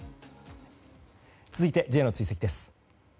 続いてＪの追跡です。